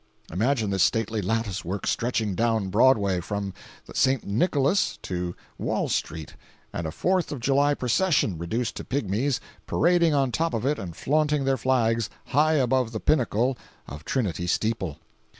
Imagine this stately lattice work stretching down Broadway, from the St. Nicholas to Wall street, and a Fourth of July procession, reduced to pigmies, parading on top of it and flaunting their flags, high above the pinnacle of Trinity steeple.